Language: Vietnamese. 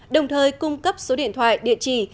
đồng thời cung cấp số điện thoại địa chỉ